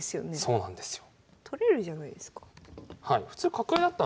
そうなんですよ